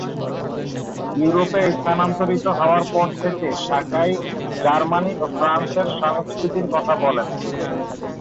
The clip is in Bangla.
ইউরোপে স্থানান্তরিত হওয়ার পর থেকে সাকাই জার্মানি ও ফ্রান্সের সংস্কৃতির কথা বলেন।